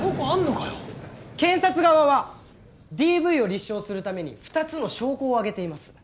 検察側はＤＶを立証するために２つの証拠を挙げています。